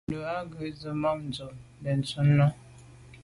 Ndù à ghù ze mba tsemo’ benntùn nà.